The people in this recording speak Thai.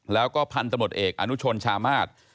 แล้วก็พันธุ์ตำรวจเอกอนุชนชามาส